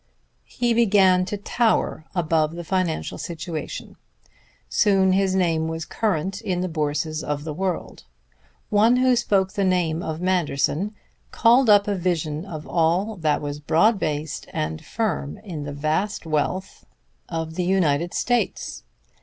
He began to tower above the financial situation. Soon his name was current in the bourses of the world. One who spoke the name of Manderson called up a vision of all that was broad based and firm in the vast wealth of the United States.